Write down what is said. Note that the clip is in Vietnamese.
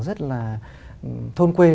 rất là thôn quê